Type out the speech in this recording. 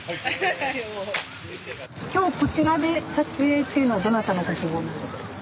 今日こちらで撮影っていうのはどなたのご希望なんですか？